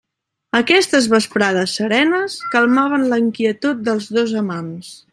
Aquestes vesprades serenes calmaven la inquietud dels dos amants.